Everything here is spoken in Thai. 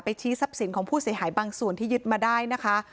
ชี้ทรัพย์สินของผู้เสียหายบางส่วนที่ยึดมาได้นะคะ